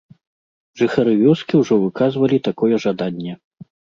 Жыхары вёскі ўжо выказвалі такое жаданне.